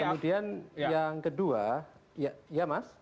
kemudian yang kedua ya mas